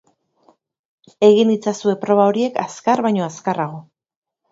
Egin itzazue proba horiek azkar baino azkarrago.